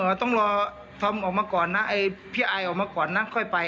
เดี๋ยวหนูไปตามพี่อายแป๊บนึงนะ